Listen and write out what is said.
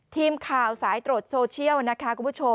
ทีมข่าวสายตรวจโซเชียลนะคะ